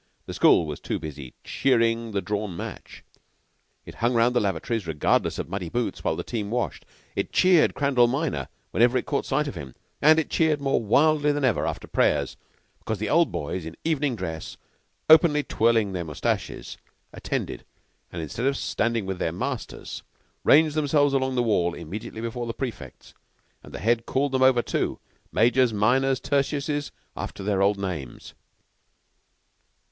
The school was too busy cheering the drawn match. It hung round the lavatories regardless of muddy boots while the team washed. It cheered Crandall minor whenever it caught sight of him, and it cheered more wildly than ever after prayers, because the Old Boys in evening dress, openly twirling their mustaches, attended, and instead of standing with the masters, ranged themselves along the wall immediately before the prefects; and the Head called them over, too majors, minors, and tertiuses, after their old names.